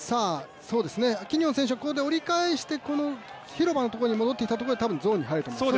キニオン選手がここで折り返して広場のところに戻ってきたところで多分ゾーンに入ると思います。